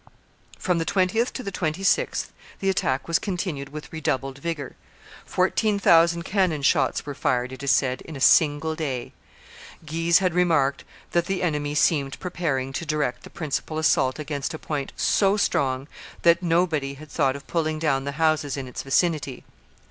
From the 20th to the 26th the attack was continued with redoubled vigor; fourteen thousand cannon shots were fired, it is said, in a single day Guise had remarked that the enemy seemed preparing to direct the principal assault against a point so strong that nobody had thought of pulling down the houses in its vicinity.